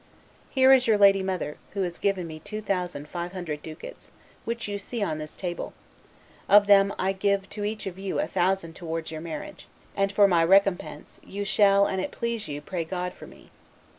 Here is your lady mother, who has given me two thousand five hundred ducats, which you see on this table; of them I give to each of you a thousand towards your marriage; and for my recompense, you shall, an if it please you, pray God for me.